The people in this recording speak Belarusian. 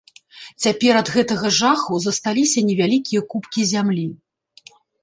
Цяпер ад гэтага жаху засталіся невялікія купкі зямлі.